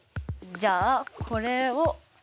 じゃあこれを。